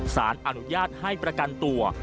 สารอนุญาตให้ประกันตัว